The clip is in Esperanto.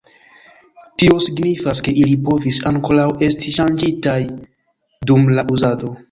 Tio signifas ke ili povis ankoraŭ esti ŝanĝitaj dum la uzado.